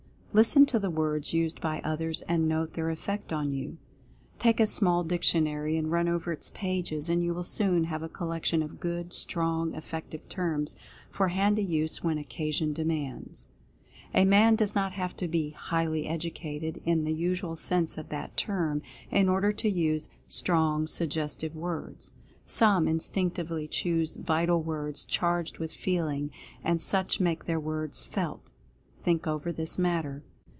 Listen to the words used by others, and note their effect on you. Take a small dictionary and run over its pages, and you will soon have a collection of good, strong, effective terms for handy use when occasion demands. A man does not have to be "highly educated" in the usual sense of that term, in order to use Strong Suggestive Words. Some instinctively choose vital words, charged with feeling, and such make their words felt. Think over this matter.